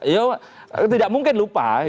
ya tidak mungkin lupa